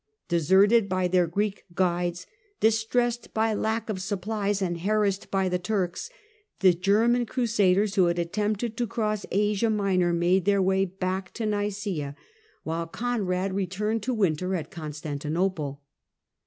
Deserted by their Greek guides, dis tressed by lack of supplies, and harassed by the Turks, the German Crusaders, who had attempted to cross Asia Minor, made their way back to Nic?ea, while Conrad returned to winter at Constantinople.